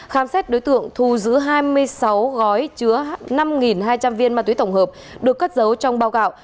khám xét đối tượng thu giữ hai mươi sáu gói chứa năm hai trăm linh viên ma túy tổng hợp được cất giấu trong bao gạo